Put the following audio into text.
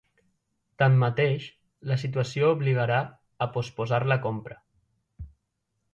Tanmateix, la situació obligarà a posposar la compra.